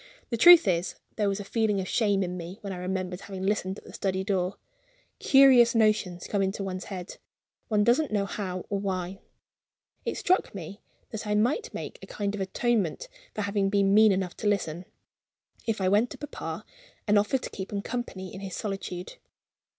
The truth is, there was a feeling of shame in me when I remembered having listened at the study door. Curious notions come into one's head one doesn't know how or why. It struck me that I might make a kind of atonement for having been mean enough to listen, if I went to papa, and offered to keep him company in his solitude.